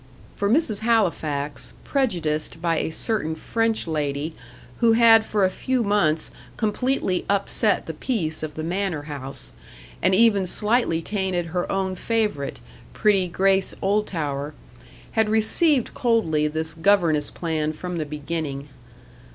For Mrs. Halifax, prejudiced by a certain French lady who had for a few months completely upset the peace of the manor house, and even slightly tainted her own favourite, pretty Grace Oldtower, had received coldly this governess plan from the beginning.